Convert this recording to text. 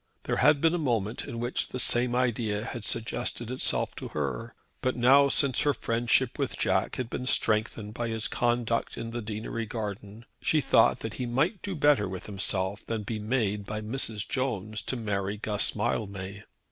There had been a moment in which the same idea had suggested itself to her; but now since her friendship with Jack had been strengthened by his conduct in the deanery garden she thought that he might do better with himself than be made by Mrs. Jones to marry Guss Mildmay.